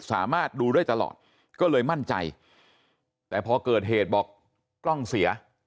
สามารถดูได้ตลอดก็เลยมั่นใจแต่พอเกิดเหตุบอกกล้องเสีย